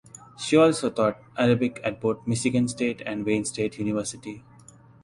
She also taught Arabic at both Michigan State and Wayne State University.